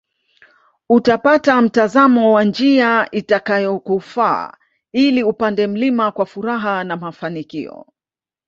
Utapata mtazamo wa njia itakayokufaa ili upande mlima kwa furaha na mafanikio